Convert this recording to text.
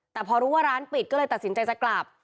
แต่พอรู้ว่าร้านปิดก็เลยตัดสินใจจะกลับ